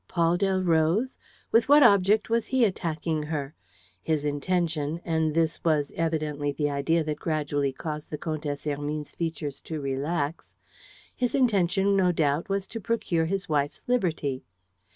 Paul Delroze? With what object was he attacking her? His intention and this was evidently the idea that gradually caused the Comtesse Hermine's features to relax his intention no doubt was to procure his wife's liberty.